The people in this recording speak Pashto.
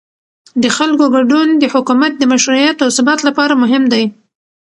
د خلکو ګډون د حکومت د مشروعیت او ثبات لپاره مهم دی